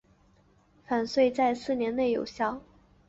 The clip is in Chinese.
返税在四年内有效。